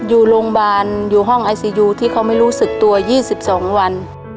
อยู่โรงพยาบาลอยู่ห้องไอซียูที่เขาไม่รู้สึกตัว๒๒วัน